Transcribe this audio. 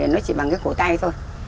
nó chỉ bằng cái cổ tay thôi